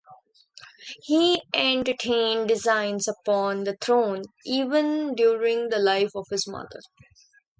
He entertained designs upon the throne, even during the life of his mother.